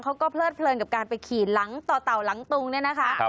เพลิดเพลินกับการไปขี่หลังต่อเต่าหลังตุงเนี่ยนะคะ